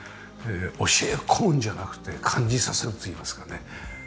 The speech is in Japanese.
教えを乞うんじゃなくて感じさせるといいますかね。